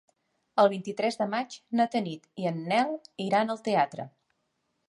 El vint-i-tres de maig na Tanit i en Nel iran al teatre.